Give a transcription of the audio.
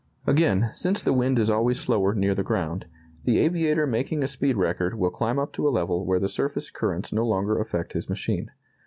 Again, since the wind is always slower near the ground, the aviator making a speed record will climb up to a level where the surface currents no longer affect his machine.